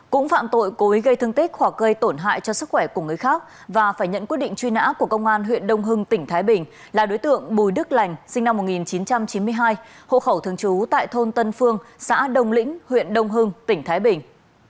cũng phạm tội cố ý gây thương tích hoặc gây tổn hại cho sức khỏe của người khác và phải nhận quyết định truy nã của công an huyện đông hưng tỉnh thái bình là đối tượng bùi đức lành sinh năm một nghìn chín trăm chín mươi hai hộ khẩu thường trú tại thôn tân phương xã đông lĩnh huyện đông hưng tỉnh thái bình